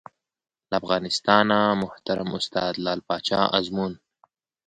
له افغانستانه محترم استاد لعل پاچا ازمون